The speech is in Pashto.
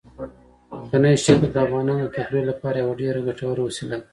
ځمکنی شکل د افغانانو د تفریح لپاره یوه ډېره ګټوره وسیله ده.